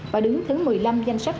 và đứng thứ một mươi năm danh sách